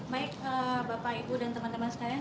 baik bapak ibu dan teman teman sekalian